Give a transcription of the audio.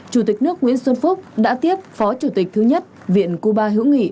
chủ tịch nước nguyễn xuân phúc đã tiếp phó chủ tịch thứ nhất viện cuba hữu nghị